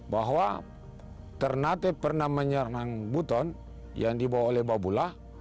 bahwa ternate pernah menyerang buton yang dibawa oleh babulah